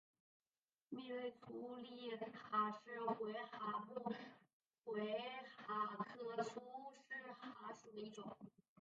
密肋粗饰蚶是魁蛤目魁蛤科粗饰蚶属的一种。